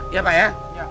iya pak ya